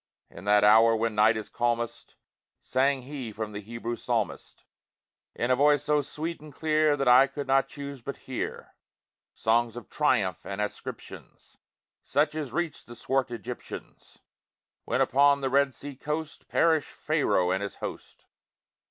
In that hour, when night is calmest, Sang he from the Hebrew Psalmist, In a voice so sweet and clear That I could not choose but hear, Songs of triumph, and ascriptions, Such as reached the swart Egyptians, When upon the Red Sea coast Perished Pharaoh and his host.